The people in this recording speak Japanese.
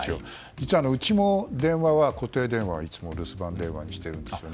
実は、うちも電話は固定電話はいつも留守番電話にしているんです。